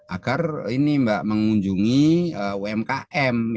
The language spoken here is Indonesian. agar mengunjungi umkm